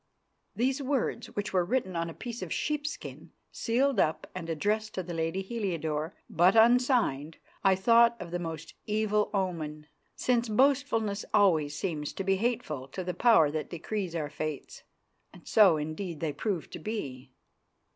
These words, which were written on a piece of sheepskin, sealed up, and addressed to the Lady Heliodore, but unsigned, I thought of the most evil omen, since boastfulness always seems to be hateful to the Power that decrees our fates. So, indeed, they proved to be.